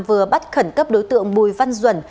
vừa bắt khẩn cấp đối tượng bùi văn duẩn